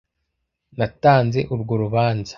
Natanze urwo rubanza.